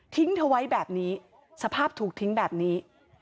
เธอไว้แบบนี้สภาพถูกทิ้งแบบนี้